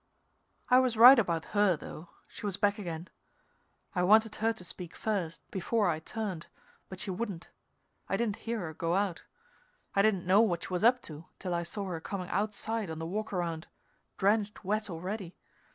I was right about her, though. She was back again. I wanted her to speak first, before I turned, but she wouldn't. I didn't hear her go out; I didn't know what she was up to till I saw her coming outside on the walk around, drenched wet already.